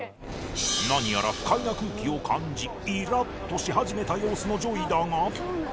何やら不快な空気を感じイラッとし始めた様子の ＪＯＹ だが